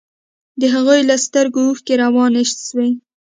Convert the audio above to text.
د هغوى له سترگو اوښکې روانې سوې.